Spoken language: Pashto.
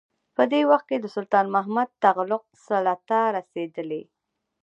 په دې وخت کې د سلطان محمد تغلق سلطه رسېدلې.